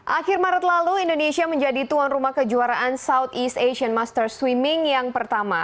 akhir maret lalu indonesia menjadi tuan rumah kejuaraan southeast asian master swimming yang pertama